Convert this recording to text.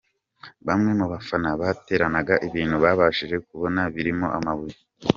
Bamwe mu bafana bateranaga ibintu babashije kubona birimo amabuye.